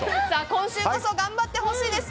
今週こそ頑張ってほしいです。